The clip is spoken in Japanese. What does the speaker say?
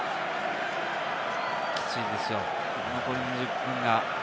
きついですよ、残り２０分が。